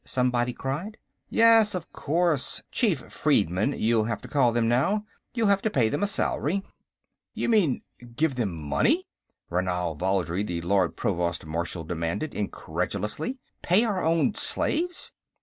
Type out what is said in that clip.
somebody cried. "Yes, of course chief freedmen, you'll have to call them, now. You'll have to pay them a salary...." "You mean, give them money?" Ranal Valdry, the Lord Provost Marshal demanded, incredulously. "Pay our own slaves?"